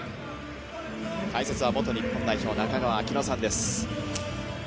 解説は元日本代表、中川聴乃さんです。